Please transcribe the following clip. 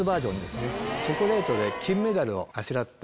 チョコレートで金メダルをあしらって。